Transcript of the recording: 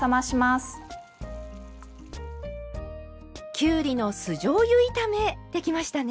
きゅうりの酢じょうゆ炒めできましたね。